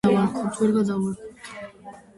განლაგებულია იმავე სახელწოდების რკინიგზის სადგური.